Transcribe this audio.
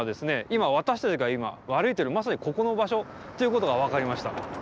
今私たちが歩いてるまさにここの場所っていう事が分かりました。